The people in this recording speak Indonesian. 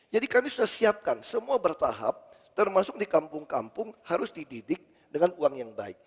jadi kami sudah siapkan semua bertahap termasuk di kampung kampung harus dididik dengan uang yang baik